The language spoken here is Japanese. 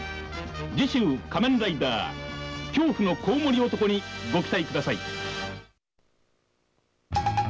次週「仮面ライダー」恐怖の蝙蝠男にご期待ください。